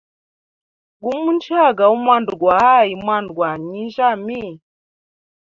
Gumu njaga amwanda gwa ayi mwana gwa ninjyami.